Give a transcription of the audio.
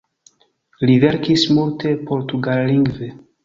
Li verkis multe portugallingve.